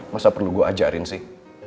masa perlu gue ajarin sih